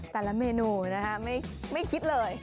แต่ละเมนูนะคะไม่คิดเลย